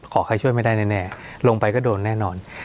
ขอให้ช่วยไม่ได้แน่ลงไปก็โดนแน่นอน